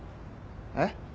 えっ？